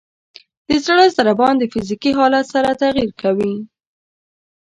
د زړه ضربان د فزیکي حالت سره تغیر کوي.